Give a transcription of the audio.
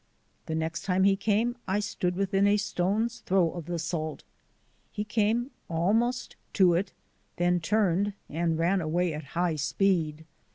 The next time he came I stood within a stone's throw of the salt. He came almost to it, then turned and ran away at high speed.